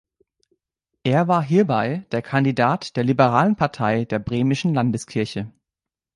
Er war hierbei der Kandidat der liberalen Partei der Bremischen Landeskirche.